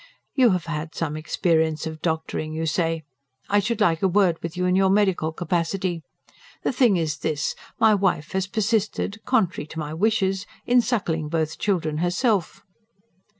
"You have had some experience of doctoring, you say; I should like a word with you in your medical capacity. The thing is this. My wife has persisted, contrary to my wishes, in suckling both children herself."